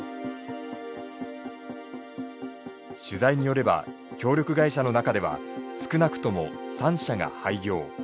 取材によれば協力会社の中では少なくとも３社が廃業。